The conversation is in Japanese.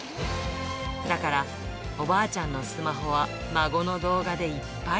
だから、おばあちゃんのスマホは孫の動画でいっぱい。